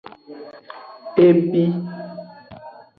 E bi.